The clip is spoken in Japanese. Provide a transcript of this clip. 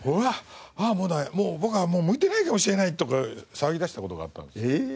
もうダメ僕はもう向いてないかもしれないとか騒ぎだした事があったんですよ。